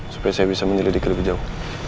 supaya saya bisa menyelidiki lebih jauh